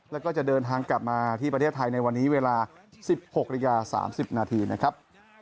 แล้วก็จะเดินทางกลับมาที่ประเทศไทยในวันนี้เวลา๑๖นาฬิกา๓๐นาทีนะครับ